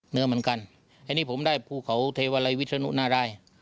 เนื้อเหมือนกันไอ้นี่ผมได้ภูเขาเทวาลัยวิษณุนารายค่ะ